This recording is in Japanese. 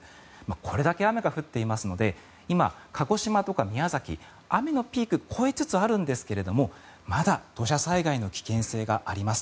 これだけ雨が降っていますので今、鹿児島とか宮崎雨のピーク越えつつあるんですがまだ土砂災害の危険性があります。